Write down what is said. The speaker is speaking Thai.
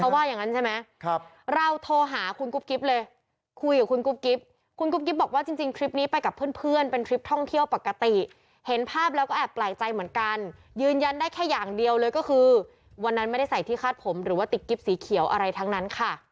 บางคนก็บอกมันเหมือนเกร็ดอะไรอย่างนั้น